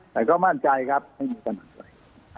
แต่ก็มั่นใจครับไม่มีปัญหาไป